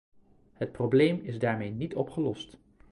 Het probleem is daarmee niet opgelost.